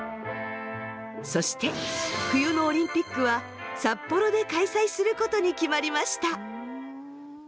そして冬のオリンピックは札幌で開催することに決まりました。